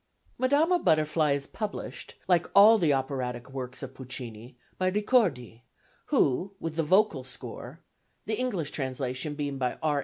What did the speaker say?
Madama Butterfly is published (like all the operatic works of Puccini) by Ricordi, who, with the vocal score (the English translation being by R.